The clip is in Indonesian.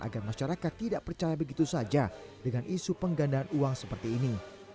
agar masyarakat tidak percaya begitu saja dengan isu penggandaan uang seperti ini